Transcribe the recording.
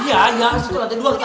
iya iya langsung ke lantai dua kita